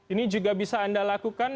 ini juga bisa anda lakukan